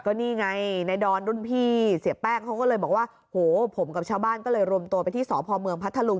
ก็นี่ไงในดอนรุ่นพี่เสียแป้งเขาก็เลยบอกว่าโหผมกับชาวบ้านก็เลยรวมตัวไปที่สพเมืองพัทธลุง